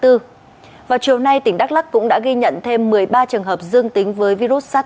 vào chiều nay tỉnh đắk lắc cũng đã ghi nhận thêm một mươi ba trường hợp dương tính với virus sars cov hai